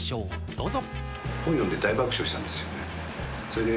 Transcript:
どうぞ。